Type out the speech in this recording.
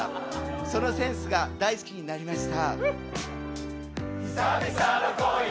そのセンスが大好きになりました。